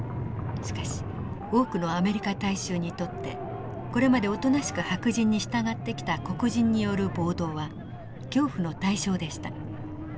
しかし多くのアメリカ大衆にとってこれまでおとなしく白人に従ってきた黒人による暴動は恐怖の対象でした。